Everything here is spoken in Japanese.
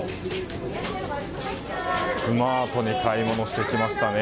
スマートに買い物してきましたね。